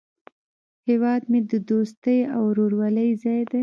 هیواد مې د دوستۍ او ورورولۍ ځای دی